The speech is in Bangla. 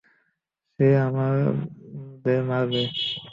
সে আমাদের মারবে!